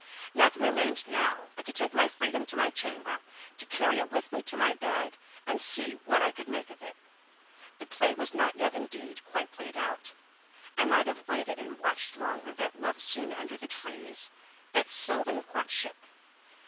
Nothing remained now but to take my freedom to my chamber, to carry it with me to my bed and see what I could make of it. The play was not yet, indeed, quite played out. I might have waited and watched longer that love scene under the trees, that sylvan courtship.